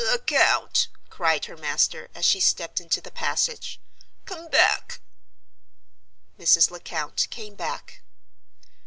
"Lecount!" cried her master, as she stepped into the passage. "Come back." Mrs. Lecount came back.